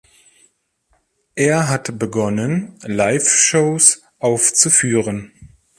Er hat begonnen, Live-Shows aufzuführen.